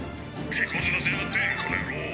てこずらせやがってこの野郎！